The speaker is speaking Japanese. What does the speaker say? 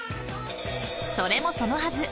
［それもそのはず］